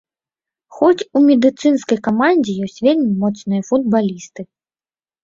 Хоць у медыцынскай камандзе ёсць вельмі моцныя футбалісты.